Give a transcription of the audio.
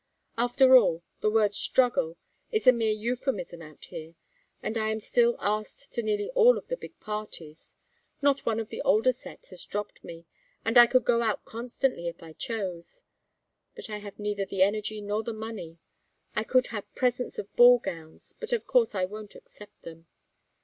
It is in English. After all, the word 'struggle' is a mere euphemism out here, and I am still asked to nearly all of the big parties; not one of the older set has dropped me, and I could go out constantly if I chose. But I have neither the energy nor the money. I could have presents of ball gowns, but of course I won't accept them."